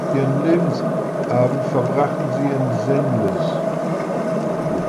Ihren Lebensabend verbrachten sie in Senlis.